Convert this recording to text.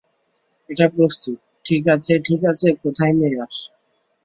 এটা প্রস্তুত, - ঠিক আছে ঠিক আছে, কোথায় মেয়ার?